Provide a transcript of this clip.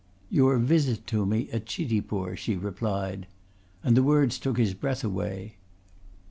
"Your visit to me at Chitipur," she replied, and the words took his breath away.